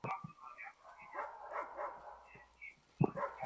মাস্তুলের পালটা টানো!